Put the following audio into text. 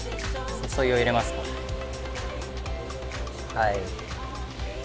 はい。